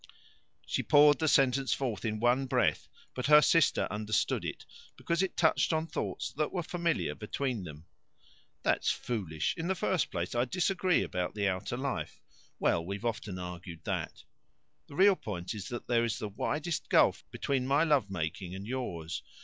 She poured the sentence forth in one breath, but her sister understood it, because it touched on thoughts that were familiar between them. "That's foolish. In the first place, I disagree about the outer life. Well, we've often argued that. The real point is that there is the widest gulf between my love making and yours.